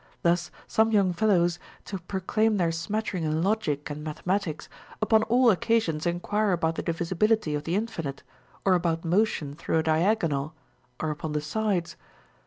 Thus some young fellows, to proclaim their smattering in logic and mathematics, upon all occasions enquire about the di visibility of the infinite, or about motion through a diagonal or upon the sides.